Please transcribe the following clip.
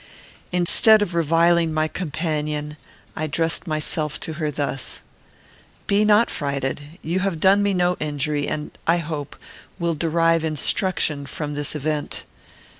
Instead of reviling my companion, I addressed myself to her thus: "Be not frighted. You have done me no injury, and, I hope, will derive instruction from this event.